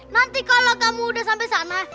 nanti kalau kamu udah sampai sana